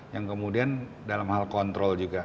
yang kemudian dalam hal kontrol juga